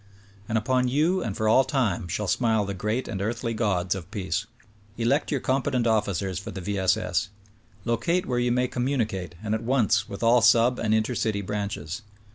And upon you and for all time shall smile the great and earthly gods of peace. Elect your competent officers for the V. S. S. Locate where you may com municate and at once with all sub and inter city branches.